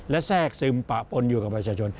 และแทรกซึมปะปนอยู่กับประชาชน